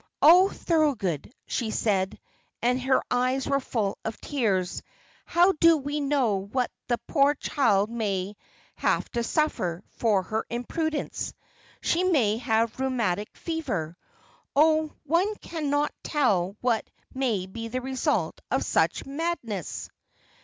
"Oh, Thorold," she said, and her eyes were full of tears, "how do we know what that poor child may have to suffer for her imprudence? She may have rheumatic fever. Oh, one cannot tell what may be the result of such madness."